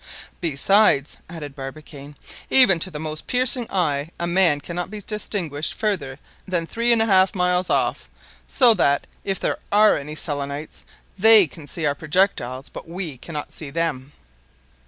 "Besides," added Barbicane, "even to the most piercing eye a man cannot be distinguished farther than three and a half miles off; so that, if there are any Selenites, they can see our projectile, but we cannot see them."